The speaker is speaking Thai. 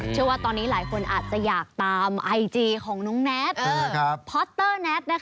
เชื่อว่าตอนนี้หลายคนอาจจะอยากตามไอจีของน้องแน็ต